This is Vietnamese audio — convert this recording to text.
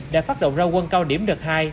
đã phát động ra quân cao điểm đợt hai